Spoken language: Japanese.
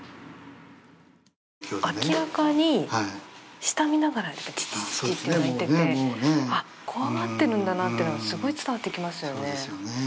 明らかに下を見ながらチチチと鳴いていて怖がっているんだなというのがすごい伝わってきますよね。